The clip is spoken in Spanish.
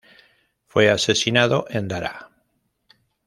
Fue asesinado en Daraa.